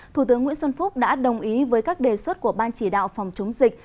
thủ tướng nguyễn xuân phúc đã đồng ý với các đề xuất của ban chỉ đạo phòng chống dịch